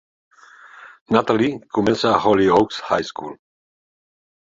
Natalie comença a Hollyoaks High School.